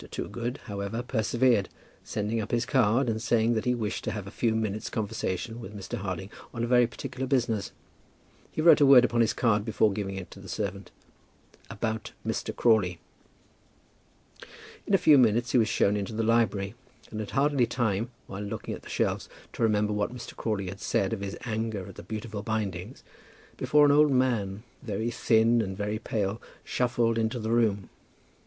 Toogood, however, persevered, sending up his card, and saying that he wished to have a few minutes' conversation with Mr. Harding on very particular business. He wrote a word upon his card before giving it to the servant, "about Mr. Crawley." In a few minutes he was shown into the library, and had hardly time, while looking at the shelves, to remember what Mr. Crawley had said of his anger at the beautiful bindings, before an old man, very thin and very pale, shuffled into the room.